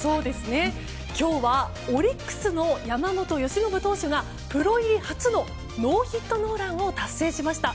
今日はオリックスの山本由伸投手がプロ入り初のノーヒットノーランを達成しました。